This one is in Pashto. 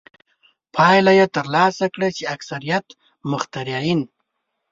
پایله یې ترلاسه کړه چې اکثریت مخترعین.